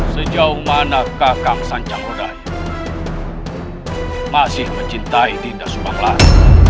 sejauh mana kakak sancaglodaya masih mencintai yunda subanglarang